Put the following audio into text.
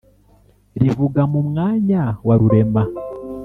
Rivuga mu mwanya wa Rurema